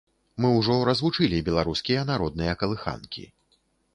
Мы ўжо развучылі беларускія народныя калыханкі.